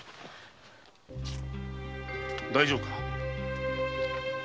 大丈夫か？